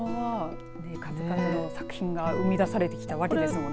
数々の作品が生み出されてきたわけですもんね。